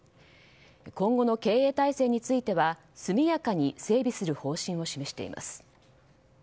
今後の経営体制については速やかに整備する方針を示しています。